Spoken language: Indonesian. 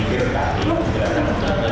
kita akan mencoba mencoba